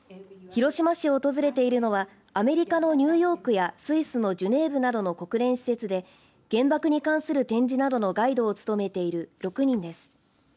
広島市を訪れているのはアメリカのニューヨークやスイスのジュネーブなどの国連施設で原爆に関する展示などのガイドを務めている６人です。